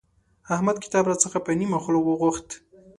احمد کتاب راڅخه په نيمه خوله وغوښت.